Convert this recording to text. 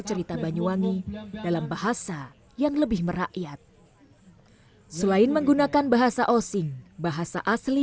cerita banyuwangi dalam bahasa yang lebih merakyat selain menggunakan bahasa osing bahasa asli